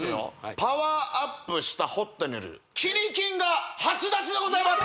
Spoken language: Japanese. パワーアップしたホットネルキニ金が初出しでございます